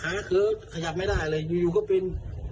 ขาเขินขยับไม่ได้เลยอยู่ก็ปิน